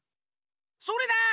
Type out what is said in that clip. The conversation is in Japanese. それだ！